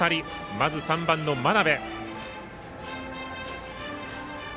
まず３番の眞邉。